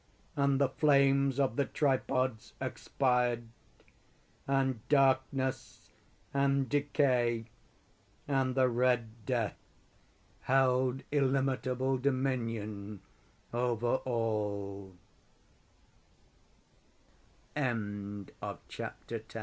And the flames of the tripods expired. And Darkness and Decay and the Red Death held illimitable dominion over al